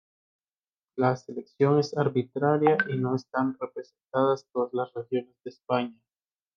La selección es arbitraria y no están representadas todas las regiones de España.